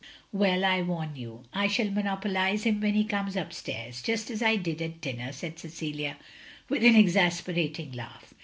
"Well, I warn you, I shall monopolise him when he comes up stairs, just as I did at dinner, " said Cecilia, with an exasperating laugh.